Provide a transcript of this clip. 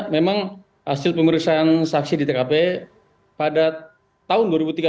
memang hasil pemeriksaan saksi di tkp pada tahun dua ribu tiga belas